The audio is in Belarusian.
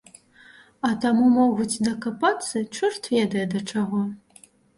А там могуць дакапацца чорт ведае да чаго.